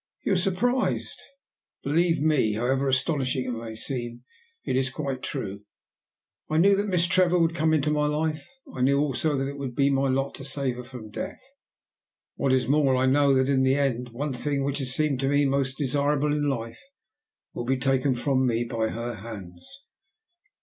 "You are surprised? Believe me, however astonishing it may seem, it is quite true. I knew that Miss Trevor would come into my life; I knew also that it would be my lot to save her from death. What is more, I know that in the end the one thing, which has seemed to me most desirable in life, will be taken from me by her hands."